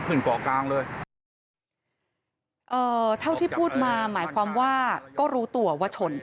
เอ่อเท่าที่พูดมาหมายความว่าก็รู้ตัวว่าชน